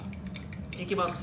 いきます。